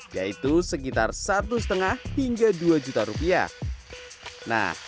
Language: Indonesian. yaitu sekitar satu lima hingga dua juta rupiah